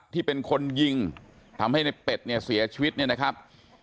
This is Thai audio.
ที่เป็นคนยิงทำให้ในเป็ดเนี่ยเสียชีวิตเนี่ยนะครับ